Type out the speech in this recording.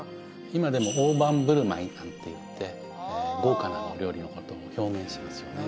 今でも「大盤振る舞い」なんていって豪華なお料理のことを表現しますよね